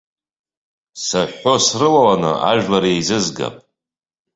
Сыҳәҳәо срылаланы ажәлар еизызгап.